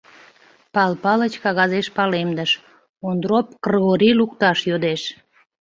Пал Палыч кагазеш палемдыш: «Ондроп Кргори лукташ йодеш».